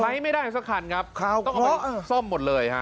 ใช้ไม่ได้สักคันครับคราวเกาะต้องเอาไปซ่อมหมดเลยฮะ